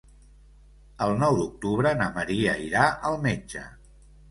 El nou d'octubre na Maria irà al metge.